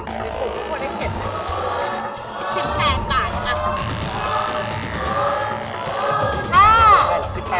๑๘บาทนะคะ